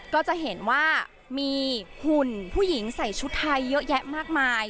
ก็จะเห็นว่ามีหุ่นผู้หญิงใส่ชุดไทยเยอะแยะมากมาย